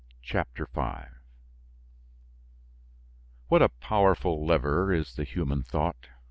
CHAPTER V WHAT a powerful lever is the human thought!